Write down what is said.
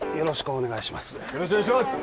お願いします